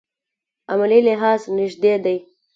عملي لحاظ نژدې دي.